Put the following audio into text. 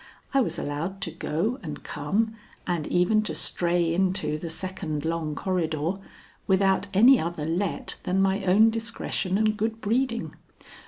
I was allowed to go and come and even to stray into the second long corridor, without any other let than my own discretion and good breeding.